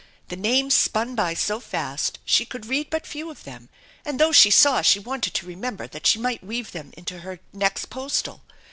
The names spun by BO fast she could read but few of them, and those she saw she wanted to remember that she might weave them into her next postal.